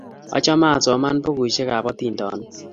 Achame asomani pukuisyek ap atindonik